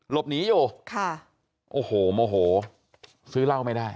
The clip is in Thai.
หลบหนีอยู่ค่ะโอ้โหโมโหซื้อเหล้าไม่ได้